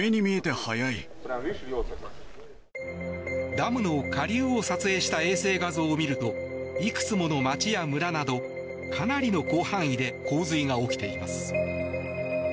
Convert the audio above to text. ダムの下流を撮影した衛星画像を見るといくつもの街や村などかなりの広範囲で洪水が起きています。